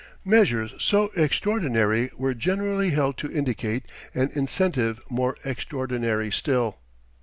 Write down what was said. Measures so extraordinary were generally held to indicate an incentive more extraordinary still.